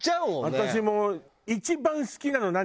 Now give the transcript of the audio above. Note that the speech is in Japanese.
私も。